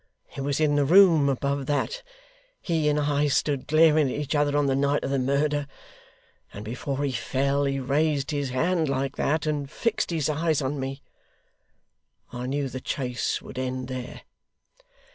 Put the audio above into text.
It was in the room above that HE and I stood glaring at each other on the night of the murder, and before he fell he raised his hand like that, and fixed his eyes on me. I knew the chase would end there.